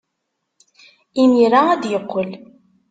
Imir-a ad d-yeqqel.